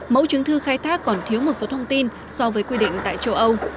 mẫu chứng thư khai thác còn thiếu một số thông tin so với quy định tại châu âu